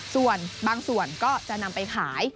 ส่วนบางส่วนก็จะนำไปขาย